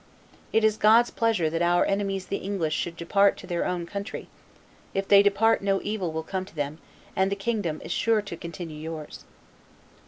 It is God's pleasure that our enemies the English should depart to their own country; if they depart no evil will come to them, and the kingdom is sure to continue yours."